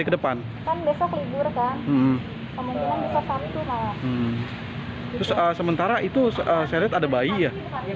terus sementara itu saya lihat ada bayi ya